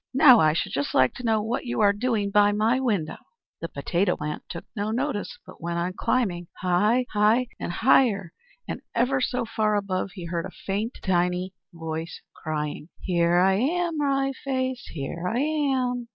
Now I should just like to know what you are doing by my window?" The potato plant took no notice, but went on climbing high, high, and higher; and ever so far above he heard a tiny faint voice crying: "Here I am, Wry Face, here I am!"